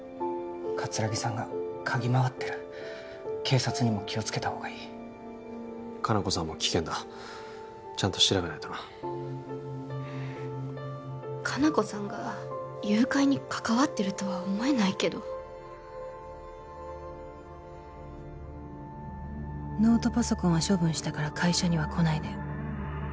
葛城さんが嗅ぎ回ってる警察にも気をつけたほうがいい香菜子さんも危険だちゃんと調べないとな香菜子さんが誘拐に関わってるとは思えないけど「ノートパソコンは処分したから会社にはこないで」